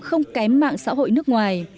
không kém mạng xã hội nước ngoài